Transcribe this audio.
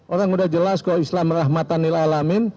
orang udah jelas kok islam rahmatan nilalamin